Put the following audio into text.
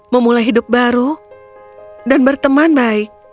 memulai hidup baru dan berteman baik